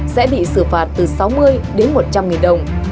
sẽ bị xử phạt từ sáu mươi đến một trăm linh nghìn đồng